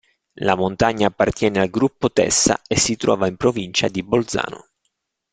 La montagna appartiene al Gruppo Tessa e si trova in provincia di Bolzano.